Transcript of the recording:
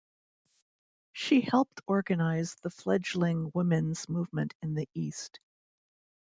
She helped organize the fledgling women's movement in the East.